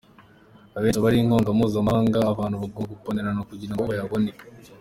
Ahenshi aba ari inkunga mpuzamahanga abantu bagomba gupiganira kugira ngo bayabone.